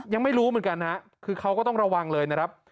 ยังไม่รู้เหมือนกันฮะคือเขาก็ต้องระวังเลยนะครับ